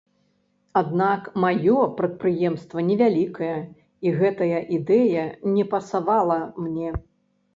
Аднак маё прадпрыемства невялікае, і гэтая ідэя не пасавала мне.